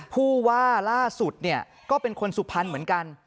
ผู้ว่าล่าสุดก็เป็นคนสุบพันธ์เหมือนกัน